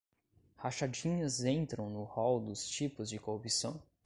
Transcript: Rachadinhas entram no rol dos tipos de corrupção?